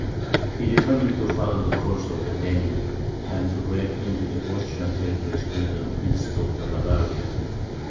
He determined to follow the course of the Danube, and to break into the Austrian territories through the midst of Bavaria.